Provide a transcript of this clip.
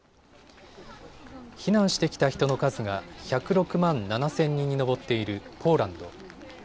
避難してきた人の数が１０６万７０００人に上っているポーランド。